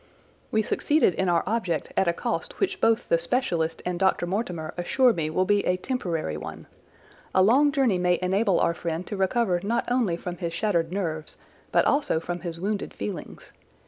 We succeeded in our object at a cost which both the specialist and Dr. Mortimer assure me will be a temporary one. A long journey may enable our friend to recover not only from his shattered nerves but also from his wounded feelings.